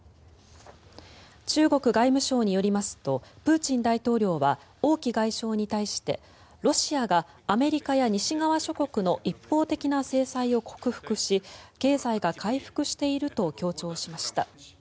中国外務省によりますとプーチン大統領は王毅外相に対してロシアがアメリカや西側諸国の一方的な制裁を克服し経済が回復していると強調しました。